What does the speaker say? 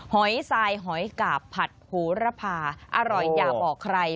หอยทรายหอยกาบผัดหูระพาอร่อยอย่าบอกใคร